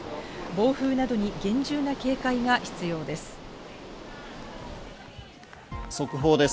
暴風などに厳重な警戒が必要です。